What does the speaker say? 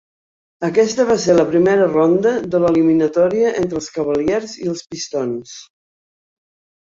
Aquesta va ser la primera ronda de l'eliminatòria entre els Cavaliers i els Pistons.